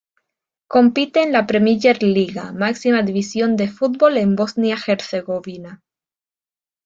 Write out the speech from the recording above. Compite en la Premijer Liga, máxima división de fútbol en Bosnia-Herzegovina.